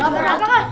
juara apa kak